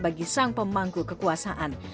bagi sang pemangku kekuasaan